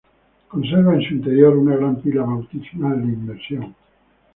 Conserva en su interior una gran pila bautismal de inmersión.